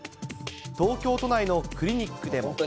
東京都内のクリニックでも。